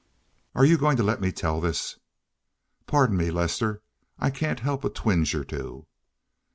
"Are you going to let me tell this?" "Pardon me, Lester. I can't help a twinge or two."